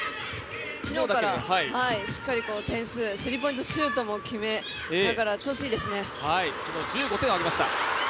昨日からしっかり点数スリーポイントシュートも決めながら昨日、１５点を挙げました。